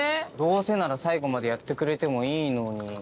どうせなら最後までやってくれてもいいのに。